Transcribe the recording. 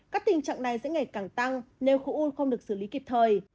các tình trạng này sẽ ngày càng tăng nếu khối u không được xử lý kịp thời